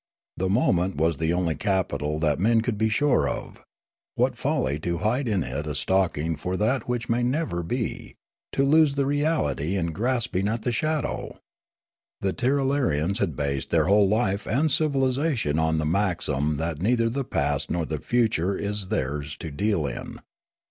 The moment was the only capital that men could be sure of ; what folly to hide it in a stocking for that which may never be, to lose the reality in grasping at the shadow ! The Tir ralarians had based their whole life and civilisation on the maxim that neither the past nor the future is theirs to deal in.